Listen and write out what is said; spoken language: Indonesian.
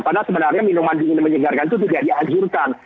padahal sebenarnya minuman dingin menyegarkan itu tidak dianjurkan